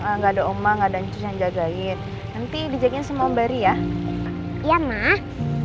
enggak ada oma enggak dan susah jagain nanti dijagin semua beri ya iya mah